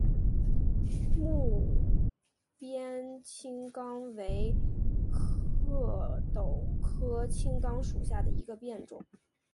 睦边青冈为壳斗科青冈属下的一个变种。